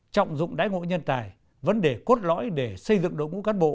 trọng dụng đái ngũ nhân tài vấn đề cốt lõi để xây dựng đội ngũ cán bộ